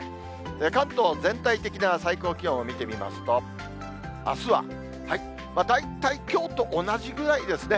関東、全体的な最高気温を見てみますと、あすは、大体きょうと同じぐらいですね。